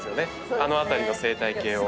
あの辺りの生態系を。